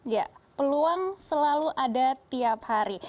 ya peluang selalu ada tiap hari